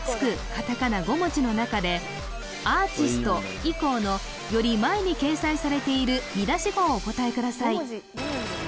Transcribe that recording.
カタカナ５文字の中で「アーチスト」以降のより前に掲載されている見出し語をお答えください